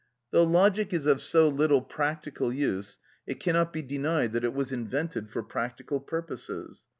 (14) Though logic is of so little practical use, it cannot be denied that it was invented for practical purposes.